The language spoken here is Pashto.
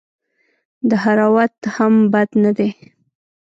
دهراوت هم بد نه دئ.